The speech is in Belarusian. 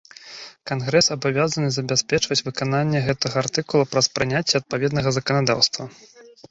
Кангрэс абавязаны забяспечваць выкананне гэтага артыкула праз прыняцце адпаведнага заканадаўства.